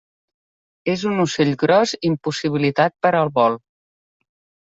És un ocell gros impossibilitat per al vol.